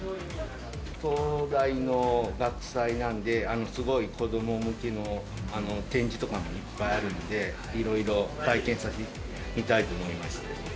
東大の学祭なんで、すごい子ども向けの展示とかもいっぱいあるんで、いろいろ体験させてみたいと思いまして。